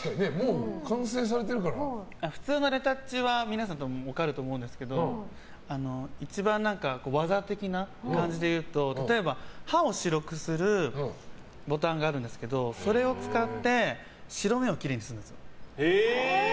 普通のレタッチは皆さんも分かると思うんですけど一番、技的な感じで言うと例えば歯を白くするボタンがあるんですけどそれを使って白目をきれいにするんですよ。